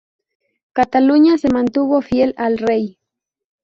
Cataluña se mantuvo fiel al rey.